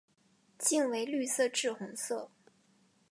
茎为绿色至红色。